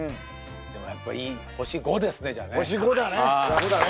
でもやっぱりいい星５ですねじゃあね星５だね